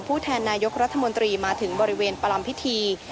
แทนนายกรัฐมนตรีมาถึงบริเวณประลำพิธี